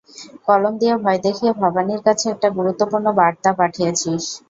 কলম দিয়ে ভয় দেখিয়ে ভবানীর কাছে একটা গুরুত্বপূর্ণ বার্তা পাঠিয়েছিস।